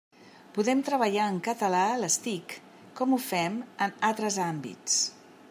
Podem treballar en català a les TIC, com ho fem en altres àmbits.